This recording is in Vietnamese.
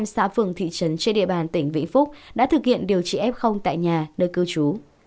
một trăm linh xã phường thị trấn trên địa bàn tỉnh vĩnh phúc đã thực hiện điều trị ép không tại nhà nơi cư trú